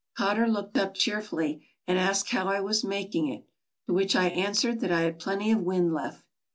Cotter looked up cheerfully and asked how I was making it ; to which I answered that I had plenty of wind left.